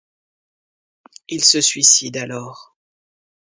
Il se suicide alors.